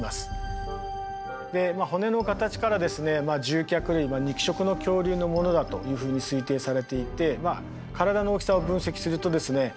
獣脚類肉食の恐竜のものだというふうに推定されていてまあ体の大きさを分析するとですね